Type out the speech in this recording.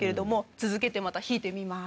続けてまた弾いてみます。